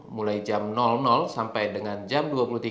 mulai jam sampai dengan jam dua puluh tiga lima puluh sembilan